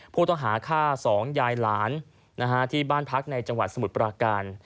ผู้ต้องหาฆ่า๒ยายหลานที่บ้านพักในจังหวัดสมุทรปราการ